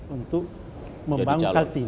untuk membangun kaltim